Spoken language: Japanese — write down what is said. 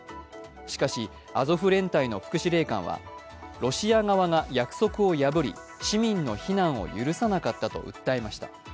しかしアゾフ連隊の副司令官はロシア側が約束を破り、市民の避難を許さなかったと訴えました。